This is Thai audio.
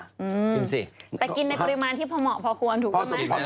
แต่กินในประมาณที่พอเหมาะพอควรถูกมั้ยคะ